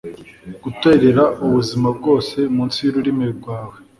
guterera ubuzima bwose munsi y'ururimi rwawe